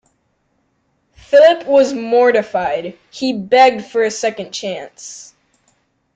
Philip was mortified. He begged for a second chance.